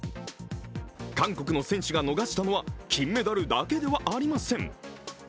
韓国の選手が逃したのは金メダルだけではありません。